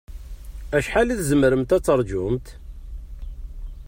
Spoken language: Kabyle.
Acḥal i tzemremt ad taṛǧumt?